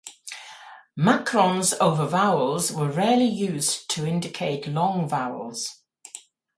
Macrons over vowels were rarely used to indicate long vowels.